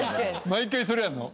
毎回それやるの？